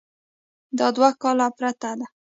دا دوه کاله پرته ده.